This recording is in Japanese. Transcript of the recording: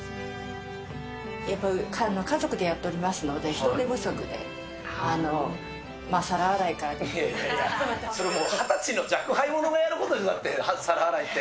やっぱり家族でやっておりますので、人手不足で、皿洗いからそれ、２０歳の若輩者がやることですよ、だって皿洗いって。